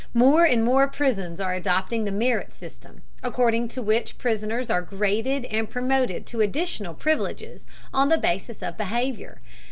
More and more prisons are adopting the merit system, according to which prisoners are graded and promoted to additional privileges on the basis of behavior.